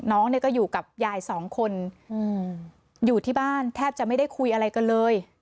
น้องเนี่ยก็อยู่กับยายสองคนอยู่ที่บ้านแทบจะไม่ได้คุยอะไรกันเลย